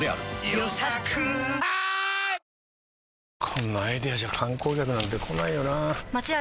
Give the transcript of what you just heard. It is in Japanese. こんなアイデアじゃ観光客なんて来ないよなあ